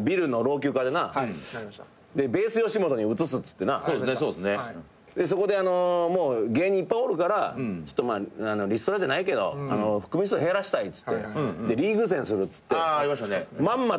ビルの老朽化でなｂａｓｅよしもとに移すっつってなそこであのもう芸人いっぱいおるからちょっとまあリストラじゃないけど組数減らしたいっつってリーグ戦するっつってまんまと